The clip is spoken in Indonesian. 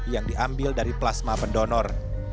yang diambil dari plasma pendonor